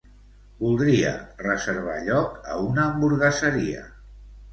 Voldria reservar lloc a una hamburgueseria.